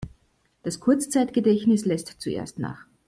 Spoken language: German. Das Kurzzeitgedächtnis lässt zuerst nach.